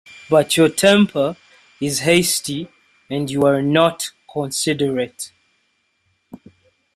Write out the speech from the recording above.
But your temper is hasty and you are not considerate.